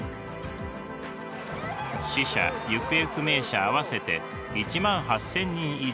死者行方不明者合わせて１万８，０００人以上。